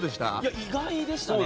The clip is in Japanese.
意外でしたね。